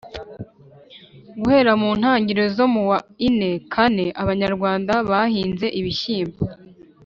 Guhera mu ntangiriro zo mu wa ine kane, Abanyarwanda bahinze ibishyimbo